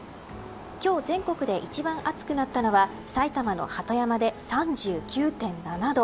今日、全国で一番暑くなったのは埼玉の鳩山で３９．７度。